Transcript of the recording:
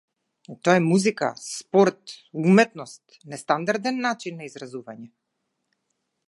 Тоа е музика, спорт, уметност, нестандарден начин за изразување.